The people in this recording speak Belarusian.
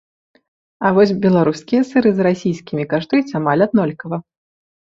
А вось беларускія сыры з расійскімі каштуюць амаль аднолькава.